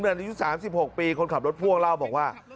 ในยุคสามสิบหกปีคนขับรถพ่วงเล่าบอกว่า